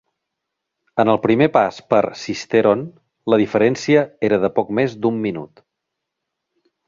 En el primer pas per Sisteron la diferència era de poc més d'un minut.